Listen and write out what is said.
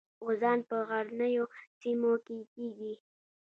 غوزان په غرنیو سیمو کې کیږي.